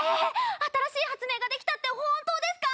新しい発明ができたって本当ですか？